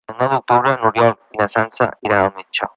El nou d'octubre n'Oriol i na Sança iran al metge.